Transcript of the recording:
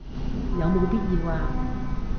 有冇必要啊